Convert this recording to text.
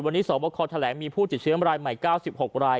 ส่วนวันอีก๒บุคคลแถลงมีผู้ติดเชื้อเมื่อละ๙๖บราย